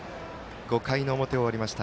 ５回の表終わりました。